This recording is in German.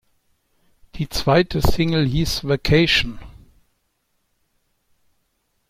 Die zweite Single hieß "Vacation".